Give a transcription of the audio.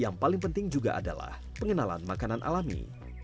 yang paling penting juga adalah pengenalan makanan alami